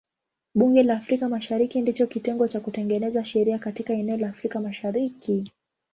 Bunge la Afrika Mashariki ndicho kitengo cha kutengeneza sheria katika eneo la Afrika Mashariki.